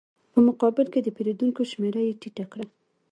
په مقابل کې د پېرودونکو شمېره یې ټیټه ده